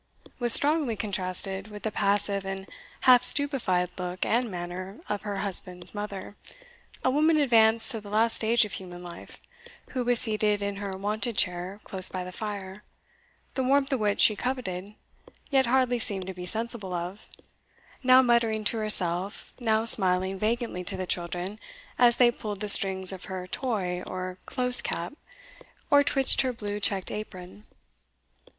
was strongly contrasted with the passive and half stupified look and manner of her husband's mother, a woman advanced to the last stage of human life, who was seated in her wonted chair close by the fire, the warmth of which she coveted, yet hardly seemed to be sensible of now muttering to herself, now smiling vacantly to the children as they pulled the strings of her toy or close cap, or twitched her blue checked apron.